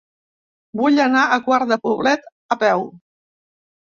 Vull anar a Quart de Poblet a peu.